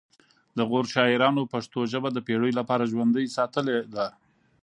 د غور شاعرانو پښتو ژبه د پیړیو لپاره ژوندۍ ساتلې ده